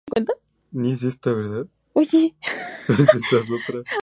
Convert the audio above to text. Dos taxones aún no nombrados han sido reportados de Oregón, Estados Unidos, y Chile.